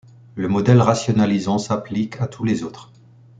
Le modèle rationalisant s’applique à tous les autres.